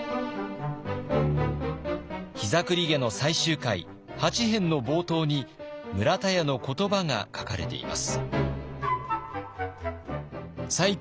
「膝栗毛」の最終回８編の冒頭に村田屋の言葉が書かれています。